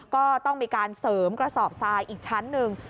ก็ต้องมีการเสริมกระสอบทรายอีกชั้นหนึ่ง